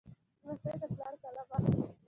لمسی د پلار قلم اخلي.